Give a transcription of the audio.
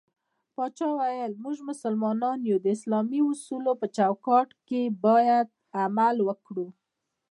پاچا وويل: موږ مسلمانان يو د اسلامي اصولو په چوکات کې بايد عمل وکړو.